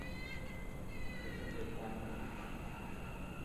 Isn't it fun?